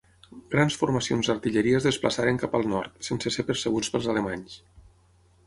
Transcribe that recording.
Grans formacions d'artilleria es desplaçaren cap al nord, sense ser percebuts pels alemanys.